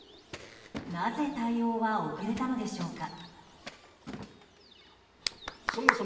なぜ対応は遅れたのでしょうか。